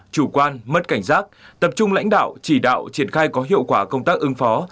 chủ quan mất cảnh giác tập trung lãnh đạo chỉ đạo triển khai có hiệu quả công tác ứng phó